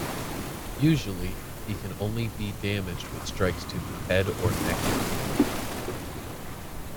Usually, he can only be damaged with strikes to the head or neck area.